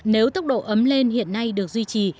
nếu tốc độ ấm lên hiện nay được duy trì